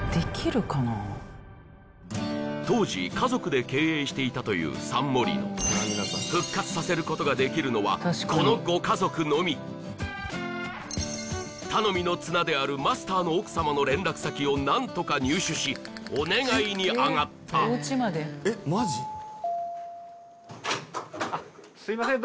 当時家族で経営していたというサンモリノ復活させることができるのはこのご家族のみ頼みの綱であるマスターの奥様の連絡先を何とか入手しお願いにあがったすいません